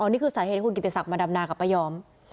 อ๋อนี่คือสาเหตุคุณกิจสัตว์มาดำนากับป้าย้อม